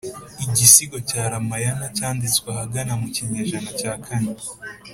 igisigo cya ramayana cyanditswe ahagana mu kinyejana cya kane